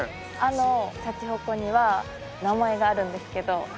あのシャチホコには名前があるんですけど。